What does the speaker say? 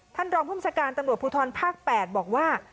ท่านรองภูมิชาการตำรวจภูทรภาค๘บอกว่า